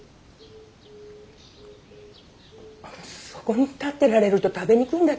そこに立ってられると食べにくいんだけど。